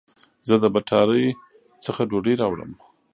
زه د بټاری څخه ډوډي راوړم